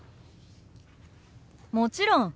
もちろん。